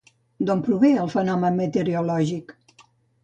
D'on prové el fenomen meteorològic?